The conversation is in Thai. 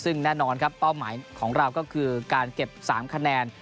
ซึ่งแน่นอนครับเป้าหมายของเราก็คือการเก็บ๓คะแนน